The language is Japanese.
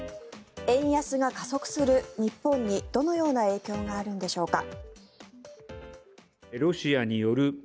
円安が加速する日本にどのような影響があるんでしょうか。